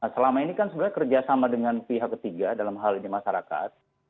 selama ini kan sebenarnya kerjasama dengan pihak ketiga dalam hal ini masyarakat